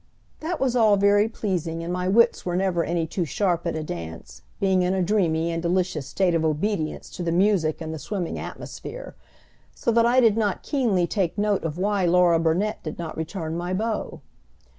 That was all very pleasing and my wits were never any too sharp at a dance, being in a dreamy and delicious state of obedience to the music and the swimming atmosphere, so that I did not keenly take note of why Laura Burnet did not return my bow.